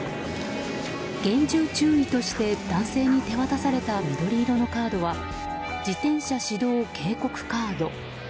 厳重注意として男性に手渡された緑色のカードは自転車指導警告カード。